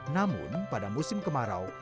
namun pada musim kemarau